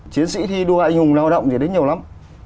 chiến sĩ thi đua anh hùng lao động gì đến nhiều lắm